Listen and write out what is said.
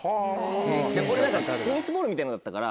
俺テニスボールみたいなのだったから。